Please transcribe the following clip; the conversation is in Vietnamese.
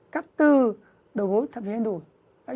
cắt từ đầu gối thậm chí lên đùi